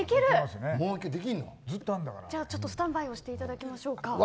じゃあスタンバイをしていただきましょうか。